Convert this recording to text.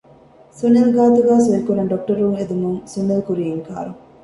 ސުނިލް ގާތުގައި ސޮއިކުރަން ޑޮކުޓަރުން އެދުމުން ސުނިލް ކުރީ އިންކާރު